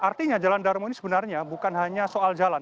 artinya jalan darmo ini sebenarnya bukan hanya soal jalan